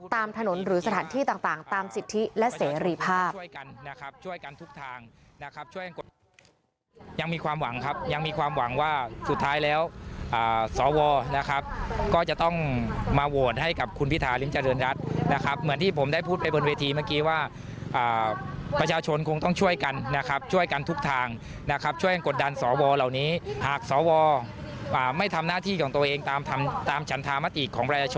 ตามถนนหรือสถานที่ต่างตามสิทธิและเสรีภาพ